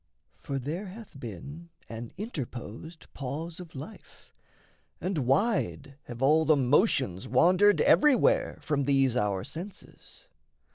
For there hath been An interposed pause of life, and wide Have all the motions wandered everywhere From these our senses.